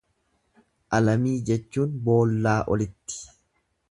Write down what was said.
Alamii jechuun boollaa olitti.